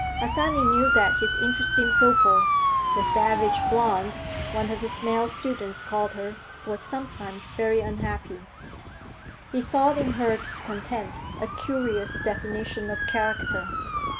Harsanyi knew that his interesting pupil—"the savage blonde," one of his male students called her—was sometimes very unhappy. He saw in her discontent a curious definition of character.